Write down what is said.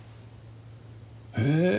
へえ。